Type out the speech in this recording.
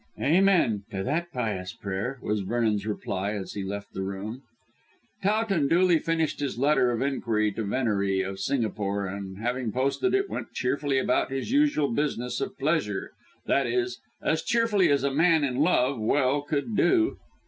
"Amen! to that pious prayer," was Vernon's reply as he left the room. Towton duly finished his letter of inquiry to Venery, of Singapore, and having posted it went cheerfully about his usual business of pleasure that is, as cheerfully as a man in love well could do.